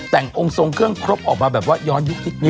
แต่งองค์ทรงเครื่องครบออกมาแบบว่าย้อนยุคนิดนึ